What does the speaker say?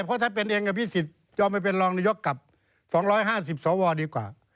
เพราะถ้าเป็นเองอภิษฎยอมไปเป็นรองนายกกับ๒๕๐สวดีกว่า